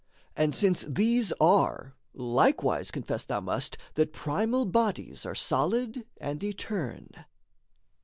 And since these are, likewise confess thou must That primal bodies are solid and eterne.